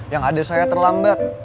yang ada saya terlambat